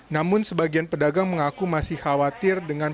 namun sebagian pedagang yang diperhatikan